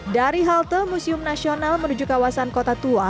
dari halte museum nasional menuju kawasan kota tua